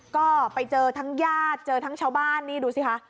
ก็ไปเจอทั้งญาติเจอทั้งชาวบ้านนี่ดูสิคะ